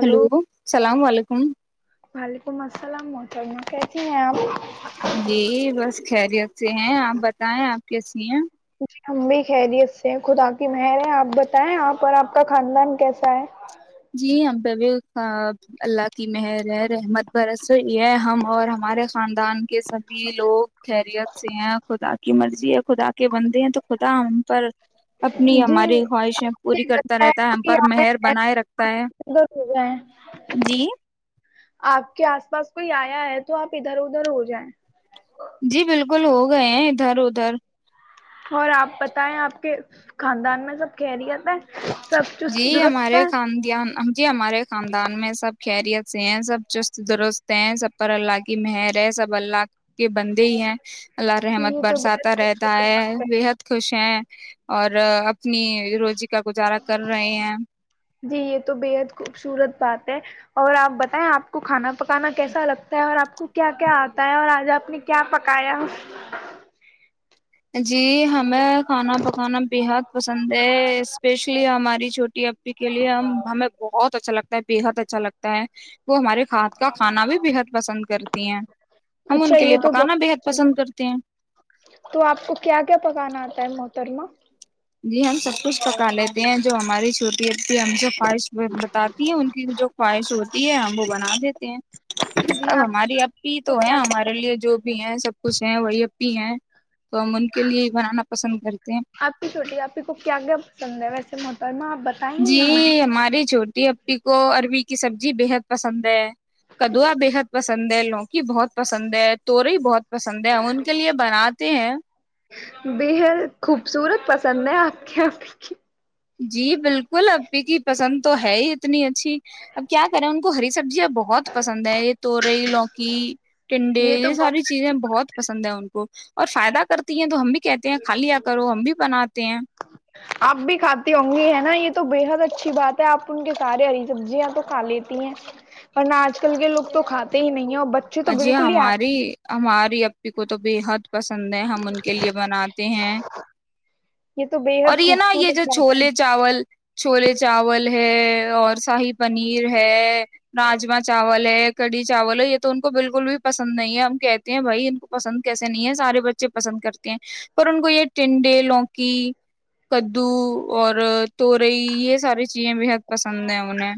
ہاںی hello اللام ععل ولیکم وعلیکم السلام مترمہ کیسی ہیں آپ جی بس خیریت سے ہیں آپ بتائیں آپ کیچنی ہیں جی ہم بھی خیریت سے خدا کی مہر ہے آپ بتائیں آپ اور آپ کا خاندان کیسا ہے جی اب اللہ کی مہر ہے رحمت برس یہ ہم اور ہمارے خاندان کے سبھی لوگ خیریت سے ہیں خدا کی مرضی ہے خدا کے بندے ہیں تو خدا ہم پر اپنی جی ہماری خواہشیں پوری کرتا رہتا ہے ہم پر مہر بنائے رکھ ہے ادھر ہو جائیں جی آپ کے آس پاس کوئی آیا ہے تو آپ ادھر ادھر ہو جائیں جی بالکل ہو گئے ہیں ادھر ادھر اور آپ بتائیں آپ کے خاندان میں سب خیریت ہے سب جی چست درست ہمارے ہے خاندان جی ہمارے خاندان میں سب خریت سے ہیں سب چست درست ہیں سب پر اللہ کی مہر ہے سب اللہ کے بندے ہی ہیں اللہ جی رحمت یہ تو برساتا بےحد رہتا خوبصورت ہے بات بےحد خوش ہیں اور اپنی روزی کا گزارا کر رہے ہیں جی یہ تو بے حد خوبصورت بات اور آپ بتائیں آپ کو کھانا پکانا کیسا لگتا ہے اور آپ کو کیا کیا آتا ہے اور آج آپ نے کیا پکایا جی ہمیں کھانا پکانا بےحد پسند ہے اسپیشلی ہماری چھوٹی ای کے لیے ہم ہمیں بہت اچھا لگتا ہے بےحد اچھا لگتا ہے وہ ہمارے کھادھ کا کھانا بھی بےحد پسند کرتی ہیں ہم ان اچھا کے لیے یہ تو بہت پکانا بےحد پسند اچھا، کرتے ہیں تو آپ کو کیا کیا پکانا آتا ہے موترما جی ہم سب کچھ پکا لیتے ہیں جو ہماری چھٹی ا ہم جو خواہش بتاتی ہیں ان کی جو خواہش ہوتی ہے ہم وہ بنا دیتے ہیں جی اب آپ ہماری اب بھی کو تو ہے کیا کیا ہمارے لیے جو بھی ہے سب کچھ ہے وہی تی ہے تو ہم ان کے لیے ہی بنانا پسند کرتے ہیں آپ کی چھوٹی آپ کو کیا پسند ہے ویسے محترما آپ بتائیں جی گی ہمیں ہماری چھوٹی اپی کو اربی کی سبزی بےحد پسند ہے کدوا بےحد پسند ہے لوگ بہت پسند ہے تووری بہت پسند ہے ہم ان کے لیے بناات ہیں بحر خوبصورت پسند ہے آپ کے یہ کی جی بالکل اب کیی پسند تو ہے ہی اتنی اچھی اب کیا کریں ان کو ہری سبزیاںب بہت پسند ہے یہ تورئی لوکی ٹنڈے تو یہ بہت ساری چیزیں بہت پسند ہے ان کو اور فائدہ کرتی ہیں تو ہم بھی کہتے ہیں کھا لیا کرو ہم بھی بناتے ہیں آپ بھی کھاتی ہوں گی ہے نا یہ تو بےحد اچھی بات ہے آپ ان کے سارے ہری سبزیاں تو کھا لیتی ہیں پرن آج کل کے لوگ تو کھاتے ہی نہیں ہیں بچے تو جی بالکل ہی ہماری آتے نہیں ہماری اب پ کو تو بے حد پسند ہے ہم ان کے لیے بناتے ہیں یہ تو اور بےحد یہ نا یہ خوبصورت جو بات ہے چھولے چاول چھولے چاول ہے اور شاہی پنیر ہے راجما چاول ہے کڑھی چاول ہے یہ تو ان کو بالکل بھی پسند نہیں ہے ہم کہتے ہیں بھائی ان کو پسند کیسے نہیں ہے سارے بچے پسند کرتے ہیں پر ان کو یہ ٹنڈے لوکی کدو اور توورئی یہ ساری چیزیں بحد پسند ہے انہیں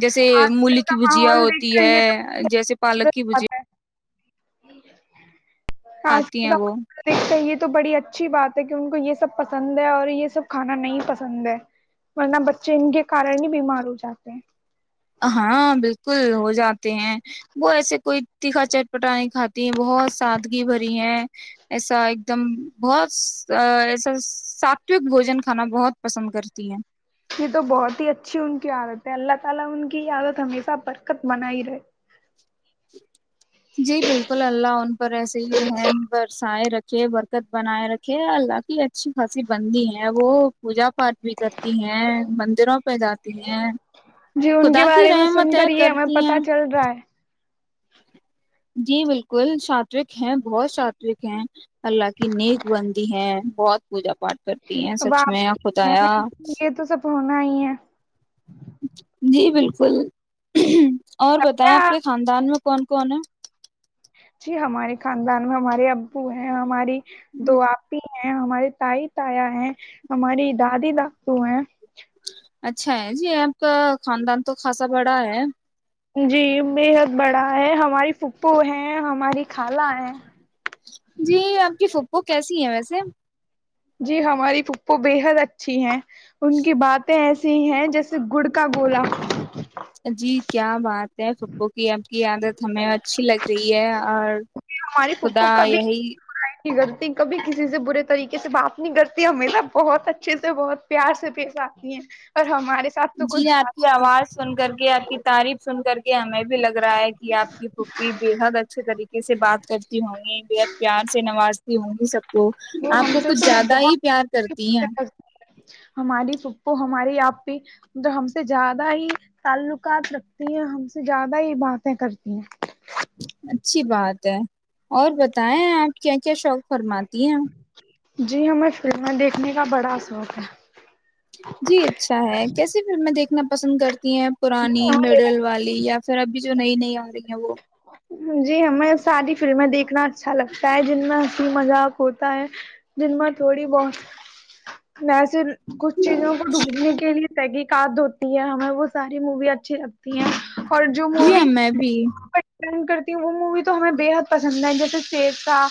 جیسے آج کل ملی کی کا بھجیا ماحول دیکھ ہوتی کر یہ ہے جیسے الگ تو کی بجے بات ہے کھاتی ہیں وہ یہ تو بڑی اچھی بات ہے کہ ان کو یہ سب پسند ہے اور یہ سب کھانا نہیں پسند ہے ورنہ بچے ان کے کارن ہی بیمار ہو جاتے ہیں ہاں بالکل ہو جاتے ہیں وہ ایسے کوئی تیکھا چٹپٹا نہیں کات ہیں بہت سادگی بھری ہے ایسا ایک دم بہت ایسا ساتوک بوجن کھانا بہت پسند کرتی ہے یہ تو بہت ہی اچھی ان کی حالت میں اللہ تعالی ان کی عادت ہمیشہ برکت بنا ہی رہے جی بالکل اللہ ان پر ایسے ہی رحم برسائے رکھے برکت بنائے رکھے اللہ کی اچھی خاصی بنندی ہے وہ پوجا پاٹ بھی کرتی ہیں مندروں پہ جاتی ہیں جی ان کے خدا کی بارے میں رحمت سن ہے کر یہ ہمیں کرتی ہیں پتا چل رہا ہے جی بالکل سوک ہیں بہت سوک ہیں اللہ کی نیک بندی ہے بہت پوجا پاٹھ کرتے تی ہیں سچ میں خدایا سونا ہی ہے جی بالکل اور بتائیں لگتا آپ ہے کے خاندان میں کون کون ہیں جی ہمارے خاندان میں ہمارے ابو ہیں ہماری ہے دو آپ ہی ہیں ہماراری تائی تایا ہیں ہماری دادی دادو ہیں اچھا ہے جی آپ کا خاندان تو خاصا بڑا ہے جی بےحد بڑا ہے ہماری پھپھو ہے ہماری خالا ہے جی آپ کی فک وہ کیسی ہے ویسے جی ہماری پھپو بے حد اچھی ہیں ان کی باتیں ایسی ہیں جیسے گڑ کا گولا جی کیا بات ہے پپو کی کیاد ہمیں اچھی لگ رہی ہے اور خدا یہی لط کبھی کسی سے برے طریقے سے بات نہیں کرتی ہمیشہ بہت اچھے سے بہت پیار سے پیش آتی ہیں اور ہماریے جی آپ کی آواز سن کر کے آپ کی تعریف سن کر کے یہ ہمیں بھی لگ رہا ہے کہ آپ کی پھپی بےحد اچھے طریقے سے بات کرتی ہوں گی بےحد پیار سے نوازتی ہوں گی سب تو وہ آپ ہم کو سے کچھ تو زیادہ ہی پیار کرتی ہیں بہت ہماری پھپو ہماراری آپی مب ہم سے زیادہ ہی تعلقات رکھتی ہیں ہم سے زیادہ ہی باتیں کرتی ہیں اچھی بات ہے اور بتائیں آپ کیا کیا شوق فرماتی ہیں جی ہمیں فلمیں دیکھنے کا بڑا شوق ہے جی اچھا ہے کیسی فلمیں دیکھ نا پسند کرتے ہیں پرانی مڈل والی یا س ابھی جو نہیں نہیں آ رہی ن وہ جی ہمیں ساری فلمیں دیکھنا اچھا لگتا ہے جن میں ہنسی مذاق ہوتا ہے جن میں تھوڑی بہت ویسے کچھ چیزوں کو ڈھونڈنے کے لیے تحقیقات ہوتی ہے ہمیں وہ ساری مووی اچھی لگتی ہیں اور جو جی ہاں مووی میں بھی کرتی ہ وہ مووی تو ہمیں بےحد پسند ہے جیسے شیرسا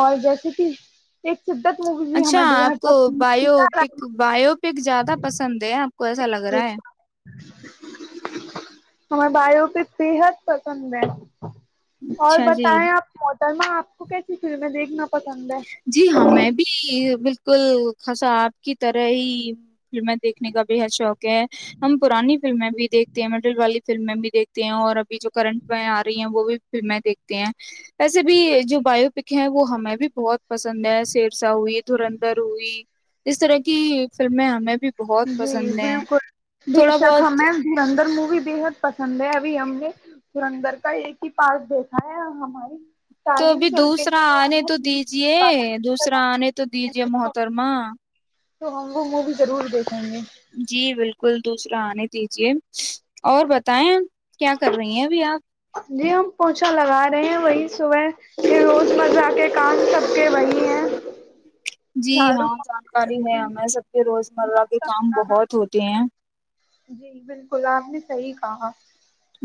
اور جیسے کہ ایک شدت مووی بھی اچھا ہمیں آپ بےحد کو پسند بایو پک بایو پک زیادہ پسند ہے آپ کو ایسا لگ رہا ہے ہمار بائیو پ فری ہےت پسند د اور اچھا جی بتائیں آپ سرما آپ کو کیسی فلمیں دیکھنا پسند ہے جی ہاں میں بھی بالکل الکل خاسا آپ کی طرح ہی فلمیں دیکھنے کا بے حد شوق ہے ہم پرانی فلمیں بھی دیکھتے ہیں مڈل والی فلمیں بھی دیکھتے ہیں اور ابھی جو کرنٹ ویں آ رہی ہیں وہ بھی فلمیں دیکھتے ہیں اییسے بھی جو بایو پک ہے وہ ہمیں بھی بہت [unintelligible] پسند ہے سیرسا ہوئی دھرندھر ہوئی اس طرح کی فلمیں ہمیں بھی بہت جی پسند ہیں بالکل بے تھوڑا شک ہ بہت میں ددر مو بھی بےحد پسند ہے ابھی ہم نے سورندر کا ایک ہی پارک دیکھا ہے اور ہماری تو تعلیم بھی چلتے دوسرا ہیں آنے تو ہمیں دیجے دوسرا آنے تو دیجے محترما تو ہم وہو وہ بھی ضرور دیکھ جی بالکل کل دوسرا آنے دیجے اور بتائیں کیا کر رہی ہیں ابھی آپ جی ہم پوچھا لگا رہے ہیں وہی صبح روز مرہ کے کام سب کے وہی ہے جی ہاں جانکاری ہے ہمیں سب کے روز مرہ کے کام بہت ہوتے ہیں جی بالکل آپ نے صحیح کہا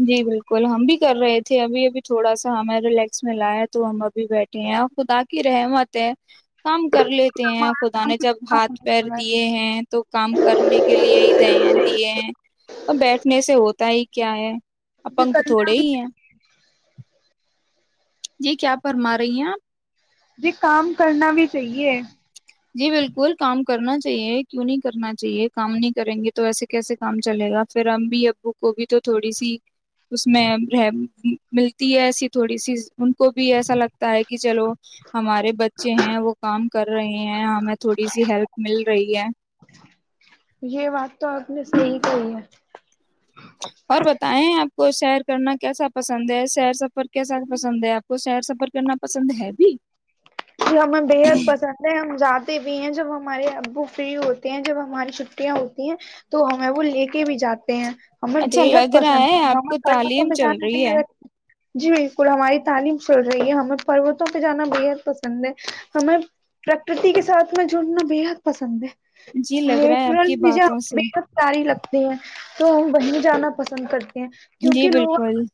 جی بالکل ہم بھی کر رہے تھے ابھی ابھی تھوڑا سا ہمیں ریلیکس ملا ہے تو ہم ابھی بیٹھے ہیں اور خدا کی رحمت ہے کام کر لیتے ہیں خدا ہمارا نے جب ہاتھ پیر کام دیے ہیں تو کام کرنے کے لیے ہی دہ دیے ہیں اور بیٹھنے سے ہوتا ہی کیا ہے ا پنک کرنا تھوڑے بھی ہی ہیں جی کیا فرما رہی ہیں آپ جی کام [unintelligible] کرنا بھی چاہیے جی بالکل کام کرنا چاہیے کیوں نہیں کرنا چاہیے کام نہیں کریں گے تو وسے کیسے کام چلے گا پھر اب ابو کو بھی تو تھوڑی سی اس میں رہ ملتی ہے ایسی تھوڑی سی ان کو بھی ایسا لگتا ہے کہ چلو ہمارے بچے ہیں وہ کر رہے ہیں ہمیں تھوڑی سی ہیلپ مل رہی ی ہے [unintelligible] یہ بات تو آپ نے صحی کہی ہے اور بتائیں آپ کو سیر کرنا کیسا پسند ہے سیر سفر کیسا پسند ہے آپ کو سیر سفر کرنا پسند ہے بھی ج ہمیں بےحد پسند ہے ہم زیادہ بھی ہیں جب ہمارے ابو فری ہوتے ہیں جب ہماری چھٹیاں ہوتی ہیں تو ہمیں وہ لے کے بھی جاتے ہیں ہمیں بے اچھا حد لگ رہا پسند آپ ہے کر کو تعلیم بھی چل جانا رہی ہے نہیں جی بالکل ہماری تعلیم چل رہی ہے ہمیں پروتوں پہ جانا ب ہے پند ہے ہمیں پرکرتی کے ساتھ میں جڑنا بےحد پسند ہے جی لگ رہا ہے آپ نیچرل کی مزے باتوں ہم سے بت ساری لگتی تو ہم وہیں جانا پسند کرتے ہیں جی کیونکہ لوگ بالکل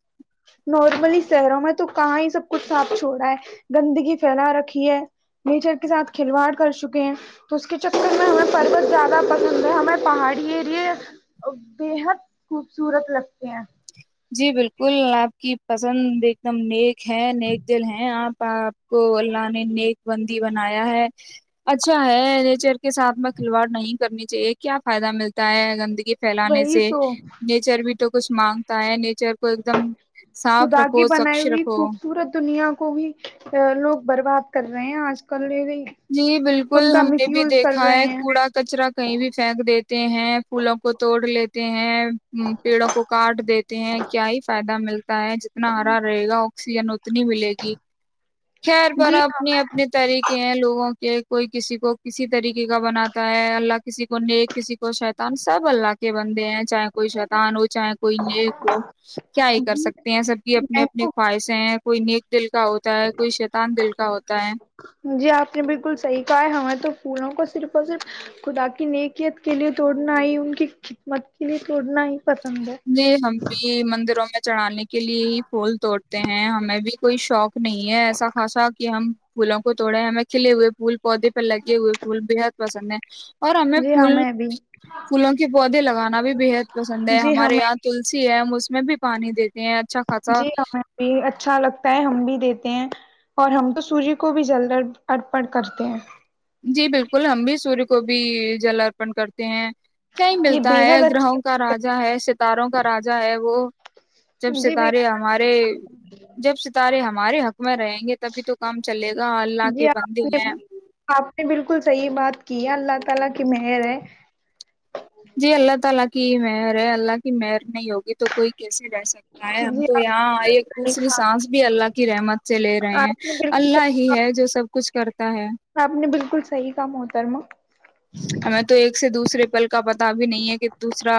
نارملی شہروں میں تو کہاں ہی سب کچھ صاف چھوڑا ہے گندگی پھیلا رکھ ہے میچر کے ساتھ کھلواڑ کر چکے ہیں تو اس کے چکر میں ہمیں پروت زیادہ سندر ہے ہمیں پہاڑی ایریے بےحد خوبصورت لگتے ہیں جی بالکل آپ کی پسند ایک دم نیک ہے نیک جل ہے آپ ا آپ کو اللہ نے نیک بندی بنایا ہے اچھا ہے نیچر کے ساتھ میں کھلواڑ نہیں کرنی چاہیے کیا فائدہ ملتا ہے گندگی پھیلانے وہی سے تو نیچر بھی تو کسمانگ تائیا نے خدا کی بنائی سوچھ ہوئی رکھو خوبصورت دنیا کو بھی لوگ برباد کر رہے ہیں آج کل جی بالکل ان کا ہم نے مس بھی یوز کر دیکھا رہے ہے ہیں کوڑا کچرا کہیں بھی پھینک دیتے ہیں پھولوں کو توڑ لیتے ہیں پیڑوں کو کاٹ دیتے ہیں کیا ہی فائدہ ملتا تا ہے جتنا ہرا رہےا آکسیجن نی ملے گی خیر پر جی ہاں اپنی اپنے طریقے ہیں لوگ کہ کوئی کسی کو کسی طریقے کا بناتا ہے اللہ کسی کو نیک کسی کو شیتان سب اللہ کے بندے ہیں چاہے کوئی شیتان ہو چاہے کوئی نیک ہو کیا ہی کر جی سکتے ہیں سب کی اپنی میں اپنی تو خواہشیں ہیں کوئی نیک دل کا ہوتا ہے کوئی شیتان دل کا ہوتا ہے جی آپ نے بالکل صحیح کہا ہے ہمیں تو پھولوں کو صرف اور صرف خدا کی نیکیت کے لیے توڑنا ہی ان کی خدمت کے لیے توڑنا ہے پسند جی ہم بھی مندروں میں چڑانانی کے لیے ہی پھول توڑتے ہیں ہمیں بھی کوئی شوق نہیں ہے ایسا خاصا کہ ہم پھولوں کو تووڑے ہمیں کھے ہوئے پھول پودے لگے ہوئے پھول بےحد پس ہے اور ہمیں جی پول بھی پولوں کے پودے لگانا بھی بےحد پسند ہے ہم جی ہمارے ہمیں یہاں تلسی ہے میں بھی پانی دے جی ہمیں بھی اچھا لگتا ہے ہم بھی دیتے ہیں اور ہم تو سورج کو بھی جلد ارپن کرتے ہیں جی بالکل ہم بھی سور کو بھی جل ارپن کرتے ہیں کیا ہی یہ ملتا ہے بےحد اچھی گرہوں کا بات راجا ہے ستاروں کا راجا ہے وہ جب ہے جی ستارے بھیا ہمارے جب ستارے ہمارے حق میں رہیں گے تبھی تو کام چلے گا اللہ کے جی بندی آپ ہیں نے آپ بالکل صحیح بات کی ہے [inaudible] کی مر ہے اللہ کی مہر نہیں ہوگی تو کوئی کیسے رہ سکتا ہے ہم جی تو آپ یہاں ایک دوسری سانس بھی اللہ کی رمت ے لے رہے ہیں آپ نے بالکل اللہ صحیح ہی ہے جو سب کچھ کرتے [inaudible] آپ نے بالکل صحیح کام ہوتارما ہمیں تو ایک سے دوسرے پل کا پتا بھی نہیں ہے کہ دوسرا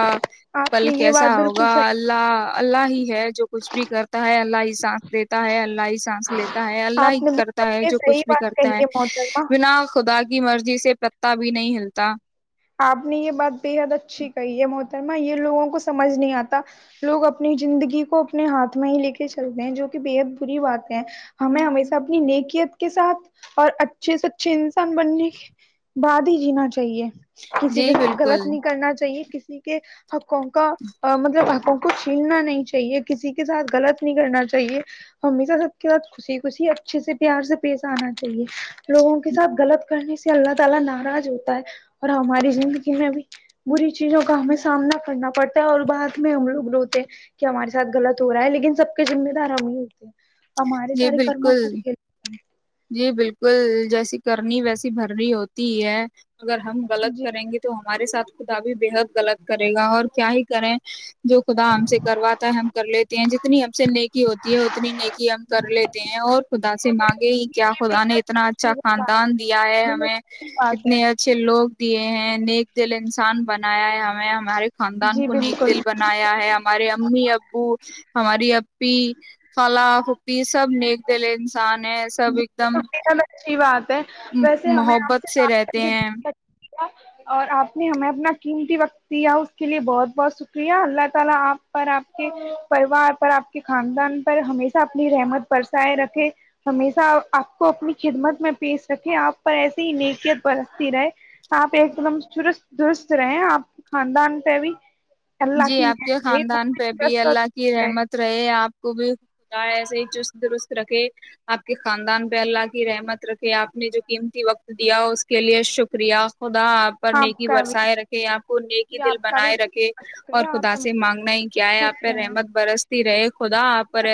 آپ پل نے یہ کیسا بات ہوگا بالکل صحیح اللہ اللہ ہی [inaudible] ہے جو کچھ بھی کرتا ہے اللہ ہی سانس دیتا ہے اللہ ہی سانس لیتا ہے اللہ آپ ہی نے کرتا ہے بالکل یہ جو صحیح کچھ بھی بات کہی کرتا ہے محترمہ بنا خدا کے کی مرضی سے پتا بھی بھی نہیں ہلتا آپ نے یہ بات بےحد اچھی کہی ہے م رم یہ لوگوں کو سمجھ نہیں آتا لوگ اپنی زندگی کو اپنے ہاتھ میں ہی لے کے چلتے ہیں جو کہ بےحد بری بات ہے ہمیں ہمیشہ اپنی نیکیت کے ساتھ اور اچھے سے اچھے انسان بننے کے بعد ہی جینا چاہیے کسی کے جی ساتھ بالکل غلط نہیں کرنا چاہیے کسی کے [inaudible] ہاں کنکا مطلب ان کو چھیلنا نہیں چاہیے کسی کے ساتھ غلط نہیں کرنا چاہیے ہمیشہ سب کے ساتھ خوشی خوشی اچھے سے پیار سے پیش آنا چاہیے لوگوں کے ساتھ غلط کرنے سے اللہ تعالی ناراض ہوتا ہے اور ہماری زندگی میں بھی بری چیزوں کا ہمیں سامنا کرنا پڑتا ہے اور بعد میں ہم لوگ روتے ہیں کہ ہمارے ساتھ غلط ہو رہا ہے لیکن سب کے ذمے دار ہم ہی ہوتے ہیں ہمارے جی سارے کرموں کا بالکل کھیل جی بالکل جیسی کرنی ویسی بھرنی ہوتی ہے اگر ہم ہے۔ غلط جی کریں گے تو ہم ہمارے سھ خدا بھی بےحد غط کرے گا اور کیا ہی کریں جو خدا ہم سے کرواتا ہے ہم کر لیتے ہیں جتنی ہم سے نیکی ہوتی ہے اتنی نیکی ہم کر لیتے ہیں اور خدا سے مانگے کیا یہ بے خدا نے حد اتنا اچھا خوبصورت بات خاندان دیا ہے بہت ہمیں اچھی بات ہے، اتنے اچھے لوگ دیے ہیں نیک دل انسان بنایا ہے ہمیں ہمارے خاندان جی کو نیک بالکل دل بنایا ہے ہمارے امی ابو ہماری پی [inaudible] فلاں کھپی سب نیک دے لے انسان ہے سب ایک دم چ بسی بات ویسے ہمیں آپ محبت سے بات رہتے کر کے ہیں اندان پر ہمیشہ اپنی رحمت پرسائے رکھے ہمیشہ آپ کو اپنی خدمت میں پیش رکھے آپ پر ایسے ہی نکیت برستتی رہے آپ ایک دم چست درست رہیں آپ خاندان پہ بھی اللہ جی کی آپ کے مہر رہے وہ خاندان پہ بھی چست اور اللہ کی درست رحمت رہے آپ کو بھی خد ایسے ہی چست درست رکھے آپ کے خاندان پہ اللہ کی رحمت رکھے آپ نے جو قیمتی وقت دیا اس کے لیے شکریہ خدا آپ پر نیکی کا بھی برسائےیں رکھے آپ کو نیکی جی دل آپ کا بھی بنائے رکھے بہت اور شکریہ خدا آپ سے ہمیشہ مانگنا ہی کیا ہے آپ خوش پہ رہیں رحمت برستی رہے خودا پر